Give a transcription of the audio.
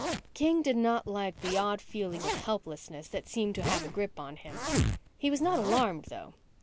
King did not like the odd feeling of helplessness that seemed to have a grip on him. He was not alarmed, though.